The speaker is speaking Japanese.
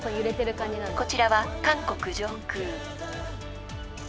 ［こちらは韓国上空］